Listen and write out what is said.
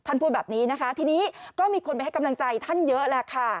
พูดแบบนี้นะคะทีนี้ก็มีคนไปให้กำลังใจท่านเยอะแหละค่ะ